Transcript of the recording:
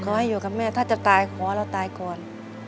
ขอให้อยู่กับแม่ถ้าจะตายขอเราตายก่อน